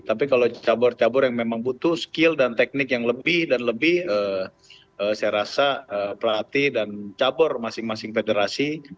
tapi kalau cabur cabur yang memang butuh skill dan teknik yang lebih dan lebih saya rasa pelatih dan cabur masing masing federasi